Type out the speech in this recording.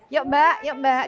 yuk mbak yuk mbak